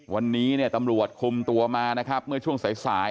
วันนี้ตำรวจคุมตัวมานอกไม่ช่วยสาย